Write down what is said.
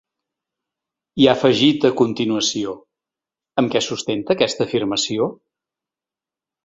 I ha afegit a continuació: Amb què sustenta aquesta afirmació?